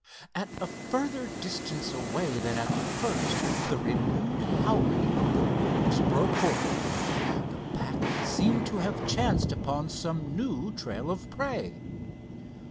At a further distance away than at the first, the renewed howling of the wolves broke forth. The pack seemed to have chanced upon some new trail of prey.